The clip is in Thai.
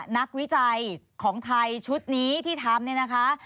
นักวิจัยของไทยชุดนี้ที่ทำ